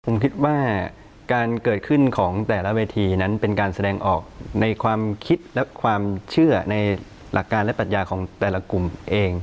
ผมคิดว่าการเกิดขึ้นของแต่ละเวทีนั้นเป็นการแสดงออกในความคิดและความเชื่อในหลักการและปัญญาของแต่ละกลุ่มเอง